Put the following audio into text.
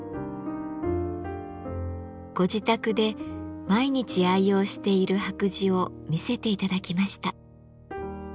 ご自宅で毎日愛用している白磁を見せて頂きました。